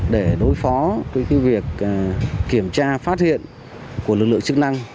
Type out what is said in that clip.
để đối phó với việc kiểm tra phát hiện của lực lượng chức năng